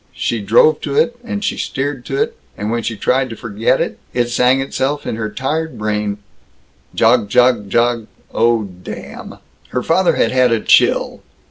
She drove to it, and she steered to it, and when she tried to forget, it sang itself in her tired brain: "Jog, jog, jog oh, damn!" Her father had had a chill.